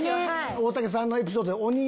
大竹さんのエピソード。